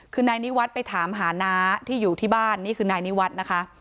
คือนันนี่วัดไปถามหาน้าที่อยู่ที่บ้านนี่คือนันนี่วัดนะคะ